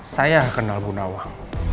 saya kenal bu nawang